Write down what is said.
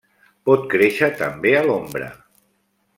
Pot créixer també a l'ombra.